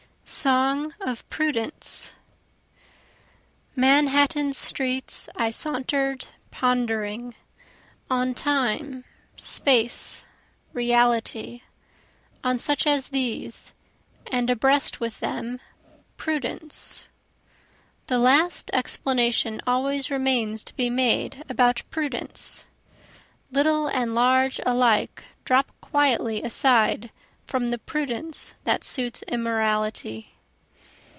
Song of Prudence Manhattan's streets I saunter'd pondering, On Time, Space, Reality on such as these, and abreast with them Prudence. The last explanation always remains to be made about prudence, Little and large alike drop quietly aside from the prudence that suits immortality.